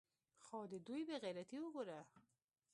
خو د دوى بې غيرتي اوګوره.